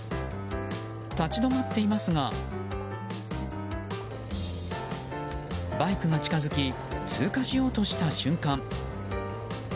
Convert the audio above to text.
立ち止まっていますがバイクが近づき通過しようとした瞬間。